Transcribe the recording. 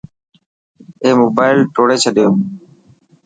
اي موبائل ٽوڙي ڇڏيو.